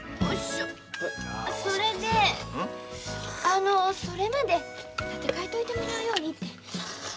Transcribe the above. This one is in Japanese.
それであのそれまで立て替えといてもらうようにって。